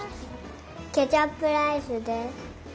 ケチャップライスです。